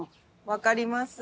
分かります。